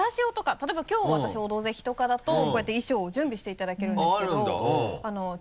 例えばきょう私「オドぜひ」とかだとこうやって衣装を準備していただけるんですけど。